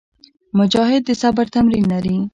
مجاهد د صبر تمرین لري.